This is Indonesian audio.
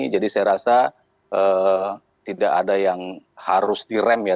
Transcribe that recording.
jadi saya rasa tidak ada yang harus direm ya